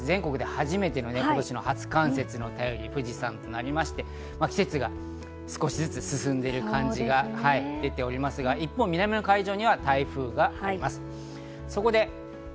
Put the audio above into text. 全国初めての今年の初冠雪のたより、富士山となりまして、季節が少しずつ進んでいる感じが出ておりますが、一方、南の海上には台風があります。